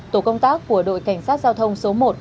tổ công tác của đội cảnh sát giao thông số một